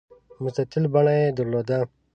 مستطیل بڼه یې درلوده.